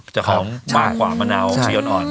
หอมมากกว่ามะนาวสีอ่อน